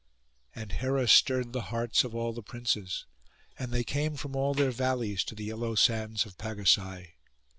And Hera stirred the hearts of all the princes, and they came from all their valleys to the yellow sands of Pagasai.